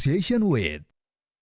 terima kasih kita sudah menonton